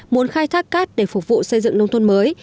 muốn khai thác cát để phục vụ xây dựng nông thôn mới